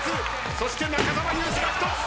そして中澤佑二が１つ！